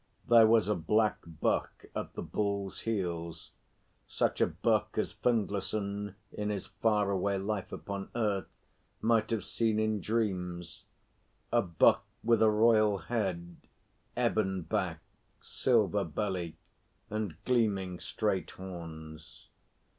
There was a black Buck at the Bull's heels such a Buck as Findlayson in his far away life upon earth might have seen in dreams a Buck with a royal head, ebon back, silver belly, and gleaming straight horns.